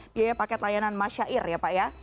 biaya paket layanan masyair ya pak ya